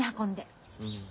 うん。